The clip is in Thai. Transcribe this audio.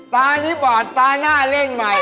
ตานี่บอดตาน่าเล่นไหม